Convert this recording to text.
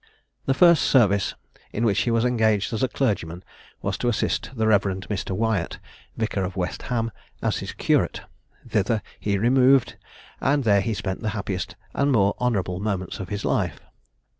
The first service in which he was engaged as a clergyman was to assist the Rev. Mr. Wyatt, vicar of West Ham, as his curate: thither he removed, and there he spent the happiest and more honourable moments of his life.